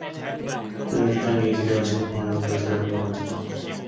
그는 들창에 귀를 기울이고 방 안의 공기를 들여다보았다.